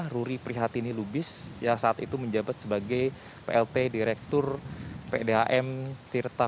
ruri prihatini lubis yang saat itu menjabat sebagai plt direktur pdhm tirta